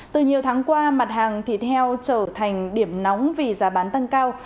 từ nhiều tháng qua mặt hàng thịt heo trở thành điểm nóng vì giá bán tăng cao